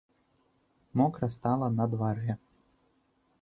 Мокра стала на дварэ.